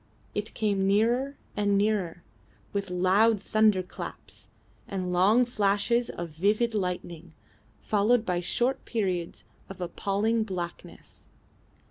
It came nearer and nearer, with loud thunder claps and long flashes of vivid lightning, followed by short periods of appalling blackness.